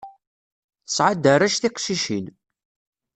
Tesɛa-d arrac tiqcicin.